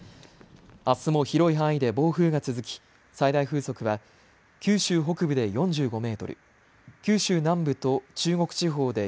あすも広い範囲で暴風が続き最大風速は九州北部で４５メートル、九州南部と中国地方で